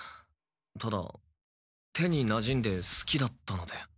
ただ手になじんですきだったので。